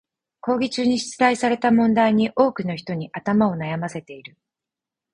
講義中に出題された問題に多くの人に頭を悩ませている。